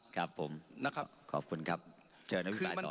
ครับผมขอบคุณครับเชิญท่านพี่ฟ้ายต่อเลยนะครับ